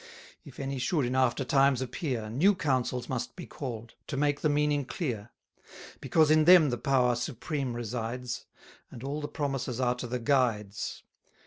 If any should in after times appear, 100 New Councils must be call'd, to make the meaning clear: Because in them the power supreme resides; And all the promises are to the guides.